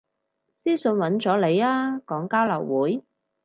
私訊搵咗你啊，講交流會